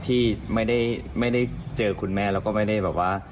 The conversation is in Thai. ที่ไม่ได้เจอคุณแม่แล้วก็ไม่ได้แบบว่า